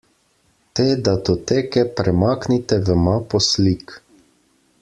Te datoteke premaknite v mapo slik.